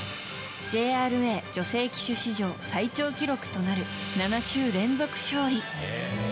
ＪＲＡ女性騎手史上最長記録となる７週連続勝利。